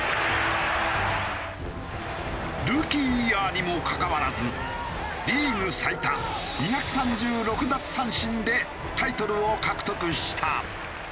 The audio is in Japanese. ルーキーイヤーにもかかわらずリーグ最多２３６奪三振でタイトルを獲得した。